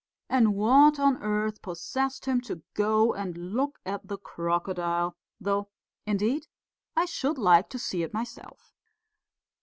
And what on earth possessed him to go and look at the crocodile? Though, indeed, I should like to see it myself."